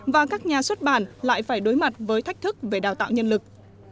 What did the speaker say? và các nhà xuất bản lại phải đối mặt với thách thức về đào tạo nhân lực